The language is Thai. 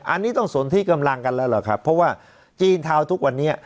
อันนี้ต้องสนที่กำลังกันแล้วเหรอครับเพราะว่าจีนทาวน์ทุกวันนี้